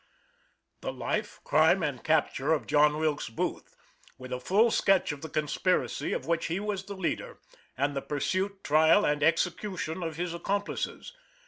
THE LIFE, CRIME, AND CAPTURE OF JOHN WILKES BOOTH, WITH A FULL SKETCH OF THE Conspiracy of which he was the Leader, AND THE PURSUIT, TRIAL AND EXECUTION OF HIS ACCOMPLICES.